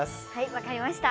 分かりました。